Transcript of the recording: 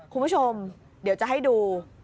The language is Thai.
คุณผู้ชมเดี๋ยวจะให้ดู